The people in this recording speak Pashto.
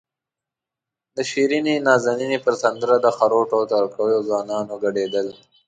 د شیرینې نازنینې پر سندره د خروټو او تره کیو ځوانان ګډېدل.